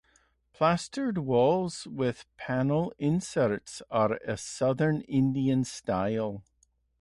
Plastered walls with panel inserts are a southern Indian style.